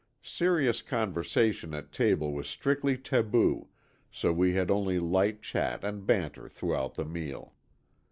Serious conversation at table was strictly taboo, so we had only light chat and banter throughout the meal.